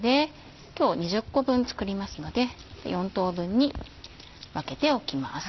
今日２０個分作りますので４等分に分けておきます。